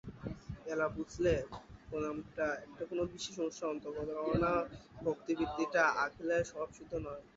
এলা বুঝলে প্রণামটা একটা কোনো বিশেষ অনুষ্ঠানের অন্তর্গত, কেননা ভক্তিবৃত্তিটা অখিলের স্বভাবসিদ্ধ নয়।